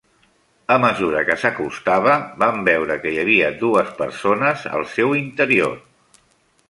A mesura que s'acostava, vam veure que hi havia dues persones al seu interior.